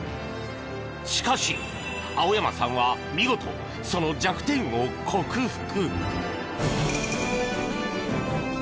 しかし青山さんは見事、その弱点を克服。